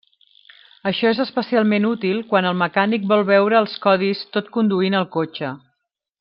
Això és especialment útil quan el mecànic vol veure els codis tot conduint el cotxe.